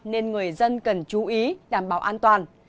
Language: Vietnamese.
nên người dân cần chú ý đảm bảo an toàn